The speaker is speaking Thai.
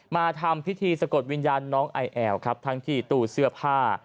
มาทำพิธีสะกดวิญญาณน้องไอแอลครับทั้งที่ตู้เสื้อผ้า